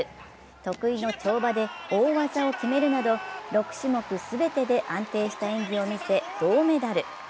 得意の跳馬で大技を決めるなど６種目全てで安定した演技を見せ銅メダル。